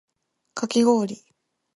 かき氷